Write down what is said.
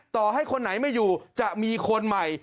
ต่อให้คนไหนไม่อยู่จะมีคนใหม่